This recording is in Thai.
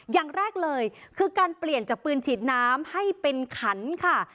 อย่างแรกเลยคือการเปลี่ยนจากปืนฉีดน้ำให้เป็นขันค่ะ